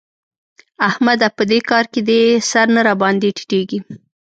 احمده! په دې کار کې دي سر نه راباندې ټيټېږي.